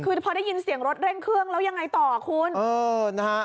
คือพอได้ยินเสียงรถเร่งเครื่องแล้วยังไงต่อคุณเออนะฮะ